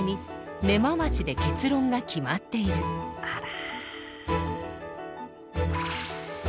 あら。